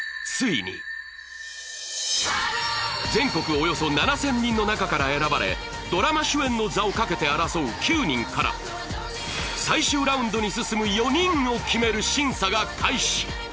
およそ７０００人の中から選ばれドラマ主演の座をかけて争う９人から最終ラウンドに進む４人を決める審査が開始